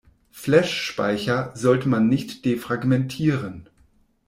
Flashspeicher sollte man nicht defragmentieren.